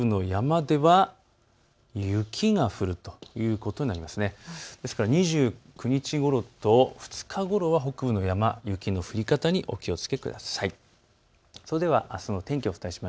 ですから２９日ごろと２日ごろは北部の山、雪の降り方にお気をつけください。